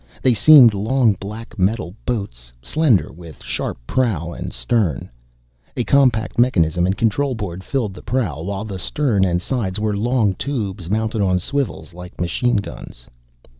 They seemed long black metal boats, slender and with sharp prow and stern. A compact mechanism and control board filled the prow, while at the stern and sides were long tubes mounted on swivels like machine guns.